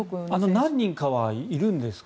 何人かはいるんですが。